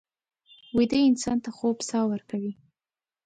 ویده انسان ته خوب ساه ورکوي